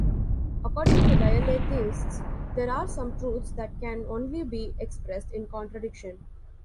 According to dialetheists, there are some truths that can only be expressed in contradiction.